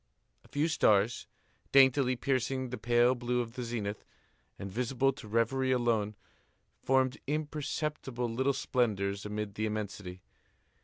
A few stars, daintily piercing the pale blue of the zenith, and visible to reverie alone, formed imperceptible little splendors amid the immensity.